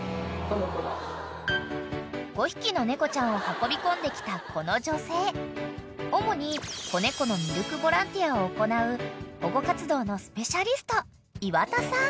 ［５匹の猫ちゃんを運び込んできたこの女性主に子猫のミルクボランティアを行う保護活動のスペシャリスト］